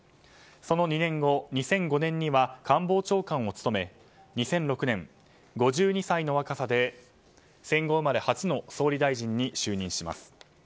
その２年後２００５年には官房長官を務め２００６年５２歳の若さで戦後生まれ初の総理大臣に就任します。